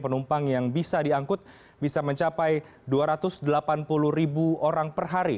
penumpang yang bisa diangkut bisa mencapai dua ratus delapan puluh ribu orang per hari